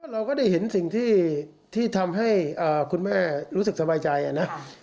เราก็ได้เห็นสิ่งที่ทำให้คุณแม่รู้สึกสบายใจนะ